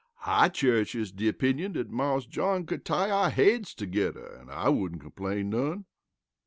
I cherishes de opinion dat Marse John could tie our heads togedder an' I wouldn't complain none."